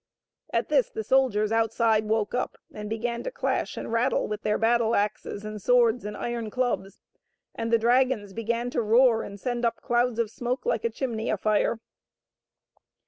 At this the soldiers outside woke up and began to clash and rattle with their battle axes and swords and iron clubs, and the dragons began to roar and send up clouds of smoke like a chimney afire.